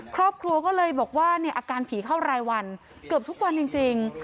ครอบครัวก็เลยบอกว่าเนี่ยอาการผีเข้ารายวันเกือบทุกวันจริง